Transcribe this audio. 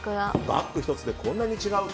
バッグ１つでこんなに違う。